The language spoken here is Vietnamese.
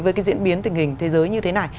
với cái diễn biến tình hình thế giới như thế này